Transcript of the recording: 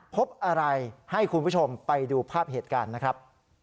พบอะไรให้คุณผู้ชมไปดูภาพเหตุการณ์นะครับ